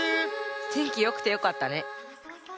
てんきよくてよかったね。